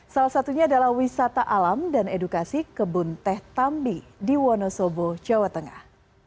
salah satunya adalah wisata alam dan edukasi kebun teh tambi di wonosobo jawa tengah